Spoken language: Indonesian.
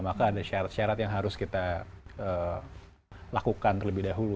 maka ada syarat syarat yang harus kita lakukan terlebih dahulu